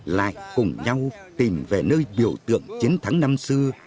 lại cùng nhau tìm về nơi biểu tượng chiến thắng năm xưa